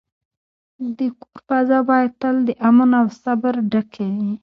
د کور فضا باید تل د امن او صبر ډکه وي.